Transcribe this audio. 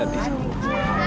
ya allah beri keteguhan